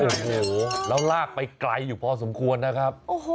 โอ้โหแล้วลากไปไกลอยู่พอสมควรนะครับ